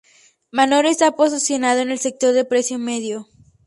Manor está posicionado en el sector de precio medio.